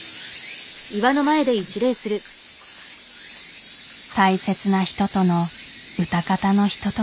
大切な人とのうたかたのひととき。